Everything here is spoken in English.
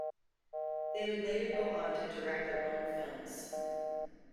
They would later go on to direct their own films.